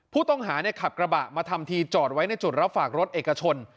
ผู้ต้องหาขับกระบะมาทำทีจอดไว้ในจุดรับฝากรถเอกชน